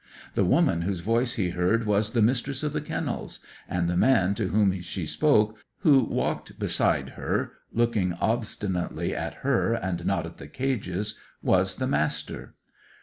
The woman whose voice he heard was the Mistress of the Kennels, and the man to whom she spoke, who walked beside her, looking obstinately at her and not at the cages, was the Master.